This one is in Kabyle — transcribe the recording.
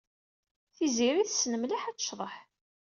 Tiziri tessen mliḥ ad tecḍeḥ.